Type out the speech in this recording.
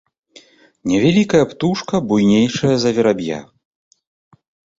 Невялікая птушка буйнейшая за вераб'я.